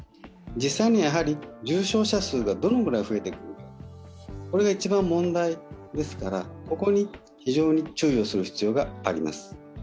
実際には重症者数がどのぐらい増えていくかが一番問題ですからここに非常に注意をする必要があります。